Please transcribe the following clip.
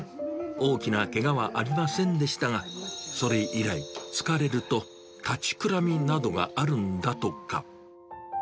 大きなけがはありませんでしたが、それ以来、疲れると立ちくらみなどがあるんだとか。